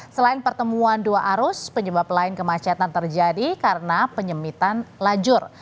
selain pertemuan dua arus penyebab lain kemacetan terjadi karena penyemitan lajur